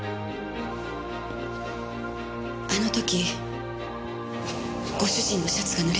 あの時ご主人のシャツがぬれてました。